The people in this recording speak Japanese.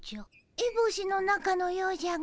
えぼしの中のようじゃが。